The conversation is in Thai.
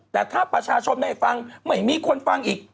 แต่ถ้าประชาชนไม่ฟังไม่มีคนฟังอีก